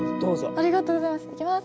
ありがとうございます。